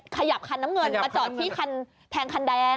ขยับคันน้ำเงินมาจอดที่แทงคันแดง